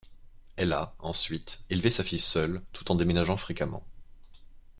Elle a, ensuite, élevée sa fille seule, tout en déménageant fréquemment.